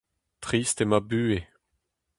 Trist eo ma buhez.